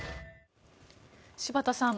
柴田さん